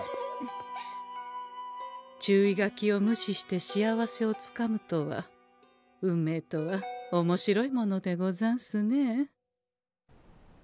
注意書きを無視して幸せをつかむとは運命とはおもしろいものでござんすねえ。